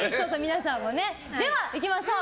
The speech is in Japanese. では、行きましょう。